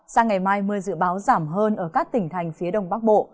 sang ngày mai mưa dự báo giảm hơn ở các tỉnh thành phía đông bắc bộ